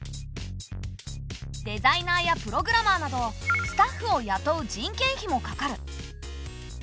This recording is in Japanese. デザイナーやプログラマーなどスタッフをやとう人件費もかかる。